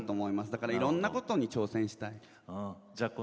だからいろんなことに挑戦したい。